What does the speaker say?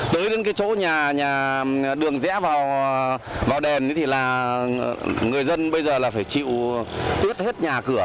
tới đến cái chỗ nhà đường rẽ vào đền thì là người dân bây giờ là phải chịu quyết hết nhà cửa